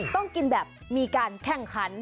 ต้องกินแบบมีการแข่งขัน